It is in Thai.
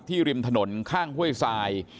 ที่ริมถนนข้างห้วยซาย